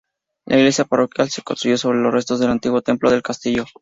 La iglesia parroquial se construyó sobre los restos del antiguo templo del castillo.